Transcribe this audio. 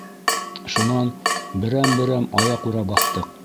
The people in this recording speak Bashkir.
Шунан берәм-берәм аяҡ үрә баҫтыҡ.